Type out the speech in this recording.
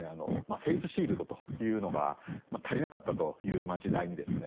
フェイスシールドというのが足りなかったという時代にですね